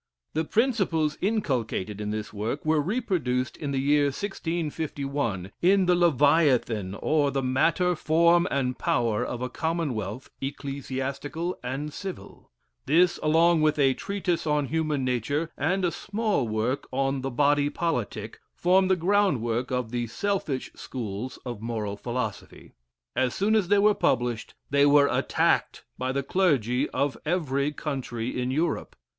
The principles inculcated in this work were reproduced in the year 1651, in the "Leviathan, or the Matter, Form, and Power of a Commonwealth, Ecclesiastical and Civil;" this, along with a "Treatise on Human Nature," and a small work on "The Body Politic," form the groundwork of the "selfish schools" of moral philosophy. As soon as they were published, they were attacked by the clergy of every country in Europe.